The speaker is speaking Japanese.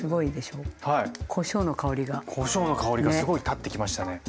こしょうの香りがすごいたってきましたね。